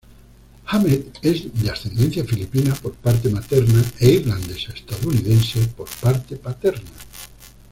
Hammett es de ascendencia filipina por parte materna e irlandesa-estadounidense por parte paterna.